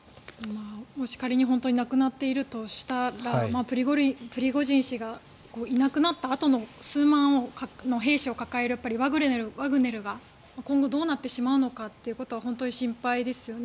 もし仮に本当に亡くなっているとしたらプリゴジン氏がいなくなったあとの数万の兵士を抱えるワグネルが今後どうなってしまうのかということは本当に心配ですよね。